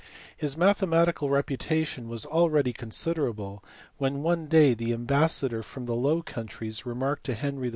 His mathematical reputation was already considerable, when one day the ambassador from the Low Countries remarked to Henry IV.